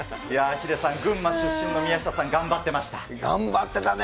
ヒデさん、群馬出身の宮下さ頑張ってたね。